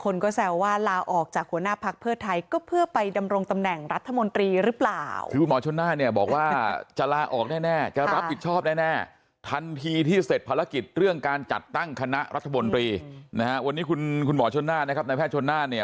นะฮะวันนี้คุณหมอชนนั่นนะครับนายแพทย์ชนนั่นเนี่ย